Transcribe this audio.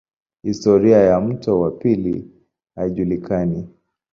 Historia ya mto wa pili haijulikani.